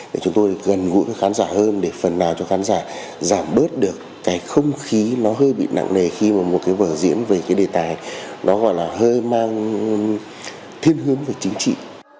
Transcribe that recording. để chúng tôi gần gũi với khán giả hơn để phần nào cho khán giả giảm bớt được cái không khí nó hơi bị nặng nề khi mà một cái vở diễn về cái đề tài nó gọi là hơi mang thiên hướng về chính trị